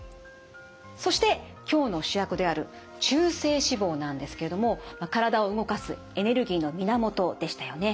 そして今日の主役である中性脂肪なんですけれども体を動かすエネルギーの源でしたよね。